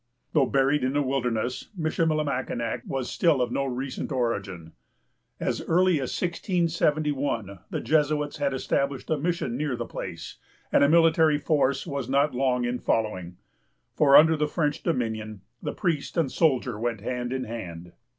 Though buried in a wilderness, Michillimackinac was still of no recent origin. As early as 1671, the Jesuits had established a mission near the place, and a military force was not long in following; for, under the French dominion, the priest and the soldier went hand in hand.